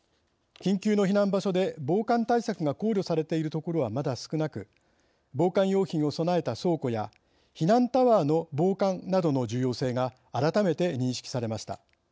緊急の避難場所で防寒対策が考慮されている所はまだ少なく防寒用品を備えた倉庫や避難タワーの防寒などの重要性が改めて認識されました。